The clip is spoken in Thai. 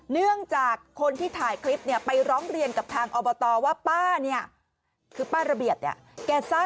เนื่องจากคนที่ถ่ายคลิปไปร้องเรียนกับทางอบตว่า